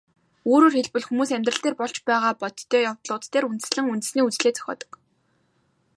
Өөрөөр хэлбэл, хүмүүс амьдрал дээр болж байгаа бодтой явдлууд дээр үндэслэн үндэсний үзлээ зохиодог.